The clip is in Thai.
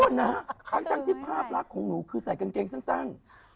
ทุกคนนะครั้งจังที่ภาพรักของหนูคือใส่กางเกงสั้น